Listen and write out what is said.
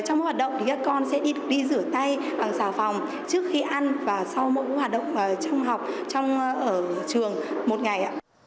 trong mỗi hoạt động thì các con sẽ đi rửa tay bằng xào phòng trước khi ăn và sau mỗi hoạt động trong học ở trường một ngày